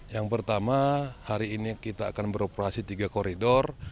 yang pertama hari ini kita akan beroperasi tiga koridor